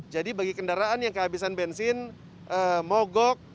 jadi bagi kendaraan yang kehabisan bensin mogok